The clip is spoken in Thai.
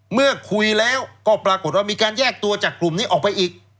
เมื่อคุยแล้วก็ปรากฏว่ามีการแยกตัวจากกลุ่มนี้ออกไปอีก